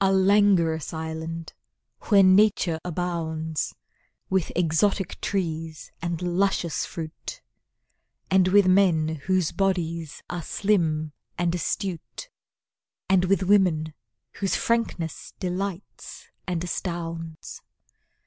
A langorous island, where Nature abounds With exotic trees and luscious fruit; And with men whose bodies are slim and astute, And with women whose frankness delights and astounds.